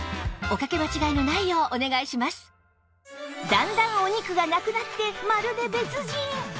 段々お肉がなくなってまるで別人！